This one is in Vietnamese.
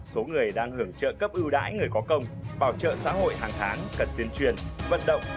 số người đang hưởng trợ cấp ưu đãi người có công bảo trợ xã hội hàng tháng cần tuyên truyền vận động